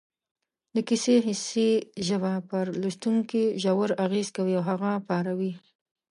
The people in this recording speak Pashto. د کیسې حسي ژبه پر لوستونکي ژور اغېز کوي او هغه پاروي